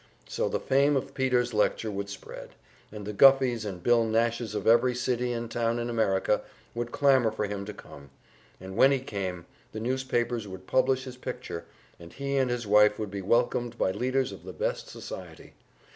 So the fame of Peter's lecture would spread, and the Guffeys and Billy Nashes of every city and town in America would clamor for him to come, and when he came, the newspapers would publish his picture, and he and his wife would be welcomed by leaders of the best society.